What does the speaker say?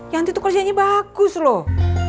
yanti tuh kerjaannya bagus loh